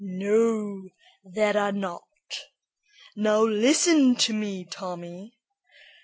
"No, there are not. Now listen to me, Tommy.